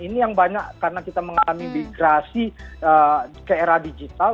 ini yang banyak karena kita mengalami migrasi ke era digital